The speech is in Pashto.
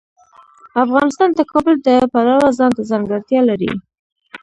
افغانستان د کابل د پلوه ځانته ځانګړتیا لري.